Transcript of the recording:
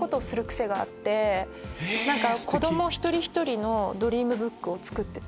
子供一人一人のドリームブックを作ってて。